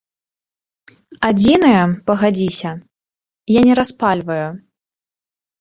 Адзінае, пагадзіся, я не распальваю.